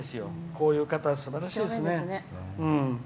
こういう方はすばらしいですよ。